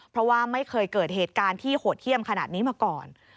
เพราะว่าไม่เคยเกิดเหตุการณ์ที่โหดเยี่ยมขนาดนี้มาก่อน